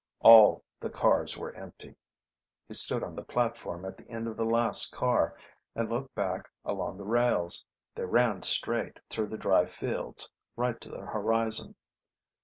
All the cars were empty. He stood on the platform at the end of the last car, and looked back along the rails. They ran straight, through the dry fields, right to the horizon.